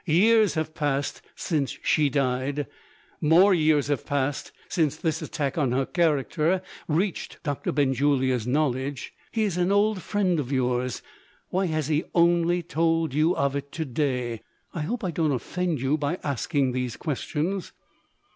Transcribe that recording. Years have passed since she died. More years have passed since this attack on her character reached Doctor Benjulia's knowledge. He is an old friend of yours. Why has he only told you of it to day? I hope I don't offend you by asking these questions?"